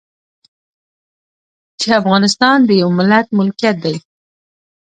چې افغانستان د يوه ملت ملکيت دی.